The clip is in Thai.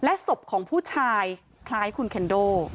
ศพของผู้ชายคล้ายคุณแคนโด